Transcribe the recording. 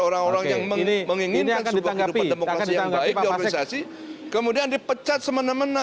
orang orang yang menginginkan sebuah kehidupan demokrasi yang baik di organisasi kemudian dipecat semena mena